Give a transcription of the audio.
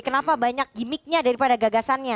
kenapa banyak gimmicknya daripada gagasannya